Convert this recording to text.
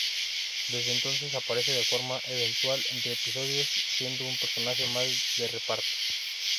Desde entonces aparece de forma eventual entre episodios, siendo un personaje más de reparto.